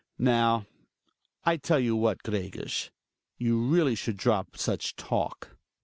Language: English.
Now, I tell you what, Gregers, you really should drop such talk.